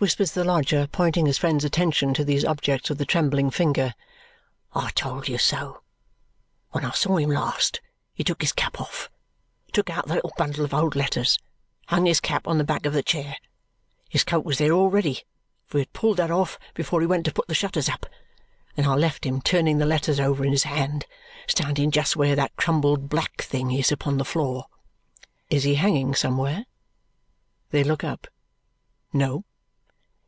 whispers the lodger, pointing his friend's attention to these objects with a trembling finger. "I told you so. When I saw him last, he took his cap off, took out the little bundle of old letters, hung his cap on the back of the chair his coat was there already, for he had pulled that off before he went to put the shutters up and I left him turning the letters over in his hand, standing just where that crumbled black thing is upon the floor." Is he hanging somewhere? They look up. No.